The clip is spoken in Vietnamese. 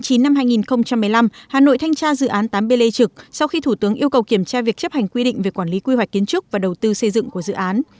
hà nội thanh tra dự án tám b lê trực sau khi thủ tướng yêu cầu kiểm tra việc chấp hành quy định về quản lý quy hoạch kiến trúc và đầu tư xây dựng của dự án